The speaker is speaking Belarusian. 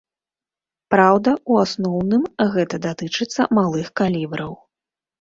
Праўда, у асноўным гэта датычыцца малых калібраў.